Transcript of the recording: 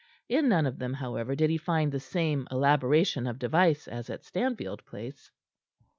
In none of them, however, did he find the same elaboration of device as at Stanfield Place.